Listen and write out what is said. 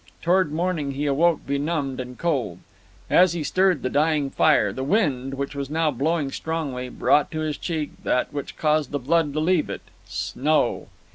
Toward morning he awoke benumbed and cold. As he stirred the dying fire, the wind, which was now blowing strongly, brought to his cheek that which caused the blood to leave it snow!